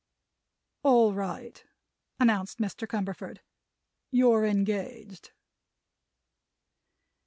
"All right," announced Mr. Cumberford; "you're engaged."